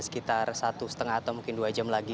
sekitar satu lima atau mungkin dua jam lagi